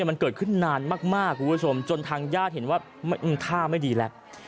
มันเกิดขึ้นนานมากคุณผู้ชมจนทางญาติเห็นว่าท่าไม่ดีแล้ว